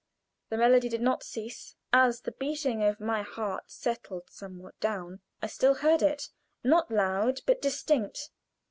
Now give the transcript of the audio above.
The melody did not cease. As the beating of my heart settled somewhat down, I still heard it not loud, but distinct.